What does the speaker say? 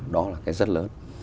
đó là cái rất lớn